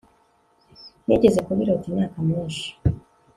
nigeze kubirota imyaka myinshi